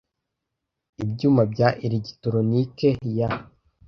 Ibyuma bya elegitoroniki ya